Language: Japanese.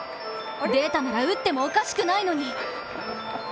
データなら、打ってもおかしくないのに！